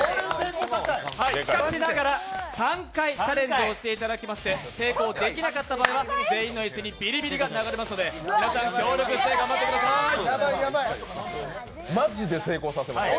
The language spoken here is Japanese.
しかしながら、３回チャレンジしていただき、成功できなかった場合は全員の椅子にビリビリが流れますので皆さん、協力して頑張ってくださいマジで成功させましょう。